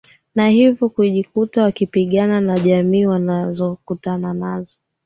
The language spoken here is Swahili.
na hivyo kujikuta wakipigana na jamii wanazokutana nazo